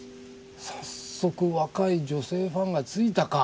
早速若い女性ファンがついたか。